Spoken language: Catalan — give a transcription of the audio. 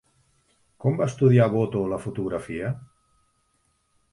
Com va estudiar Boto la fotografia?